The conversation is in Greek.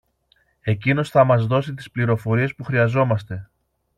Εκείνος θα μας δώσει τις πληροφορίες που χρειαζόμαστε.